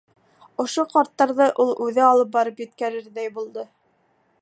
Ошо ҡарттарҙы ул үҙе алып барып еткерерҙәй булды.